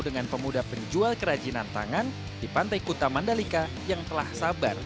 dengan pemuda penjual kerajinan tangan di pantai kuta mandalika yang telah sabar